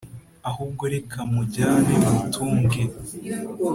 ahubwo reka mujyane mutunge